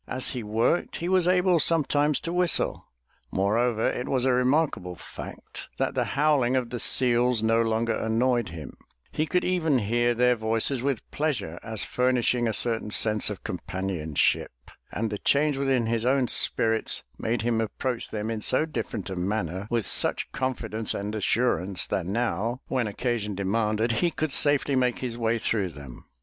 As he worked he was able some times to whistle. Moreover it was a remarkable fact that the howling of the seals no longer annoyed him; he could even hear their voices with pleasure as furnishing a certain sense of com panionship, and the change within his own spirits made him approach them in so different a manner, with such confidence and assurance that now, when occasion demanded, he could safely make his way through them.